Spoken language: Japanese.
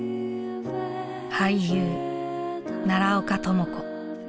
俳優奈良岡朋子。